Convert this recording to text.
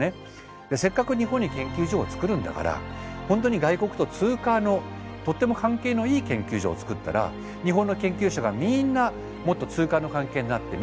せっかく日本に研究所を作るんだから本当に外国とツーカーのとっても関係のいい研究所を作ったら日本の研究者がみんなもっとツーカーの関係になってみんな得するんだ。